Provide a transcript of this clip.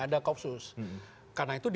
ada koopsus karena itu